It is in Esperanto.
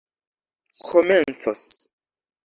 komencos